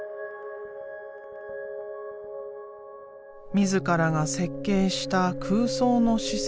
自らが設計した空想の施設。